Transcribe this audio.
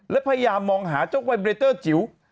และพยายามมองหาเจ้าไวเรเตอร์จิ๋ว